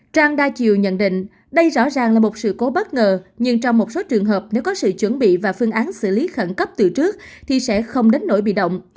trang đa chiều nhận định đây rõ ràng là một sự cố bất ngờ nhưng trong một số trường hợp nếu có sự chuẩn bị và phương án xử lý khẩn cấp từ trước thì sẽ không đến nỗi bị động